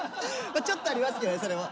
ちょっとありますけどそれも。